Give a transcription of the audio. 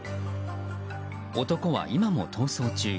男は今も逃走中。